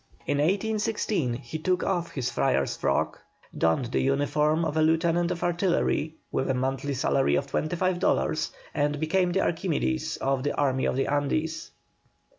In 1816, he took off his friar's frock, donned the uniform of a lieutenant of artillery, with a monthly salary of 25 dollars, and became the Archimedes of the Army of the Andes.